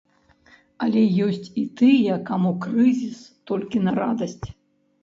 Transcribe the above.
Але ёсць і тыя, каму крызіс толькі на радасць.